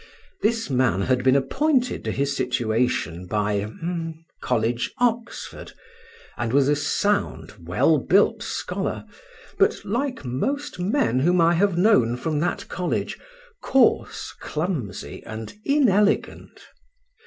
This man had been appointed to his situation by —— College, Oxford, and was a sound, well built scholar, but (like most men whom I have known from that college) coarse, clumsy, and inelegant.